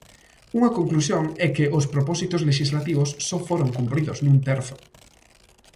Unha conclusión é que os propósitos lexislativos só foron cumpridos nun terzo.